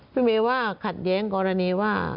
เวย์ว่าขัดแย้งกรณีว่า